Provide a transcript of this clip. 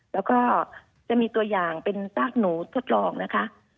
แล้วก็จะมีตัวอย่างเป็นซากหนูทดลองนะคะ